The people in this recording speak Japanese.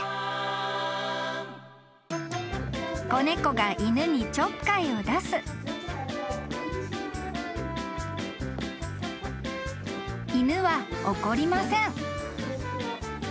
［子猫が犬にちょっかいを出す］［犬は怒りません］